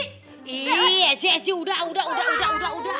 iya sih udah